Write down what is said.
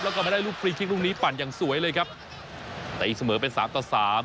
แล้วก็ไม่ได้ลูกลุงนี้ปั่นอย่างสวยเลยครับแต่ยิงเสมอเป็นสามต่อสาม